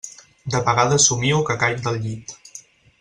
De vegades somio que caic del llit.